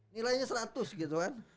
nilainya seratus gitu kan